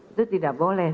itu tidak boleh